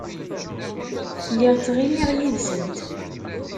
Lliɣ ttɣimiɣ yid-sent.